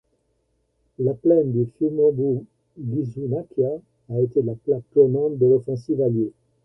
La plaine du Fium'orbu - Ghisunaccia a été la plaque tournante de l'offensive alliée.